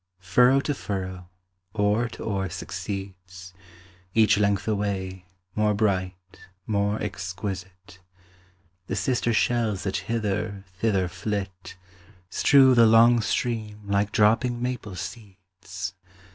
Furrow to furrow, oar to oar succeeds, Each length away, more bright, more exquisite; The sister shells that hither, thither flit, Strew the long stream like dropping maple seeds.